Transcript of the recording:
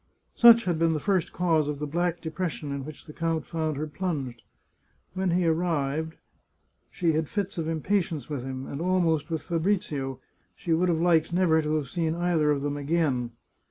Such had been the first cause of the black depression in which the count found her plunged. When he arrived, she had fits of impatience with him, and almost with Fa brizio; she would have liked never to have seen either of them again.